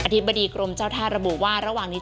ธิบดีกรมเจ้าท่าระบุว่าระหว่างนี้